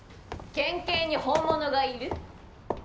県警に本物がいる？